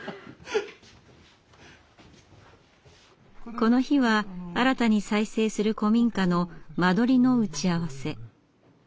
この日は新たに再生する古民家の間取りの打ち合わせ。